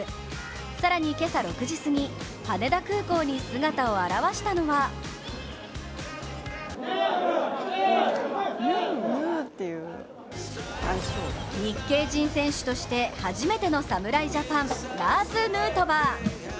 更に今朝６時すぎ、羽田空港に姿を現したのは日系人選手として初めての侍ジャパン、ラーズ・ヌートバー。